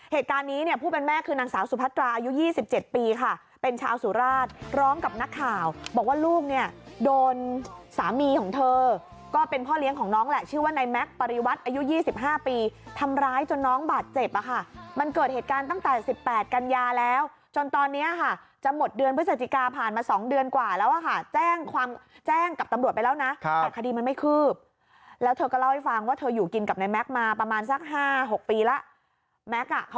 เหตุการณ์นี้เนี่ยผู้เป็นแม่คือนางสาวสุพัตราอายุ๒๗ปีค่ะเป็นชาวสุราชร้องกับนักข่าวบอกว่าลูกเนี่ยโดนสามีของเธอก็เป็นพ่อเลี้ยงของน้องแหละชื่อว่าในแม็กซ์ปริวัติอายุ๒๕ปีทำร้ายจนน้องบาดเจ็บอ่ะค่ะมันเกิดเหตุการณ์ตั้งแต่๑๘กันยาแล้วจนตอนนี้ค่ะจะหมดเดือนพฤศจิกาผ่านมาสองเด